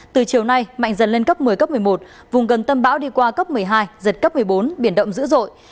từ chiều nay mạnh dần lên cấp một mươi cấp một mươi một vùng gần tâm bão đi qua cấp một mươi hai giật cấp một mươi bốn biển động dữ dội